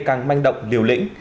đang manh động liều lĩnh